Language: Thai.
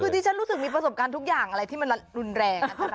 คือที่ฉันรู้สึกมีประสบการณ์ทุกอย่างอะไรที่มันรุนแรง